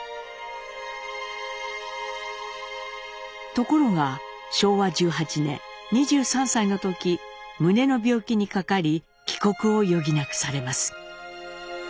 ところが昭和１８年２３歳の時胸の病気にかかり帰国を余儀なくされます。